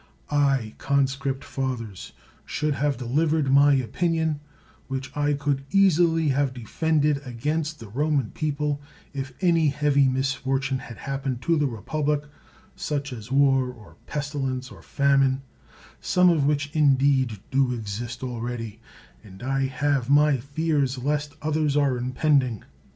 I, conscript fathers, should have delivered my opinion, which I could easily have defended against the Boman people, if any heavy misfor tune had happened to the republic, such as war, or pestilence, or famine ; some of which, indeed, do exist already ; and I have my fears lest others are impending.